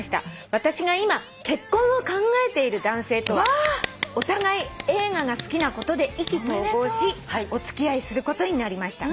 「私が今結婚を考えている男性とはお互い映画が好きなことで意気投合しお付き合いすることになりました」